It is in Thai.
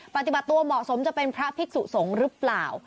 ปฏิบัติตัวเหมาะสมจะเป็นพระภิกษุสงฆ์หรือเปล่า